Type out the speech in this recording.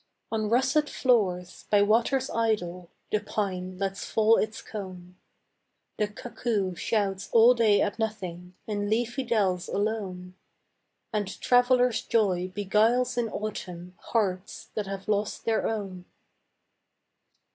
On russet floors, by waters idle, The pine lets fall its cone; The cuckoo shouts all day at nothing In leafy dells alone; And traveler's joy beguiles in autumn Hearts that have lost their own.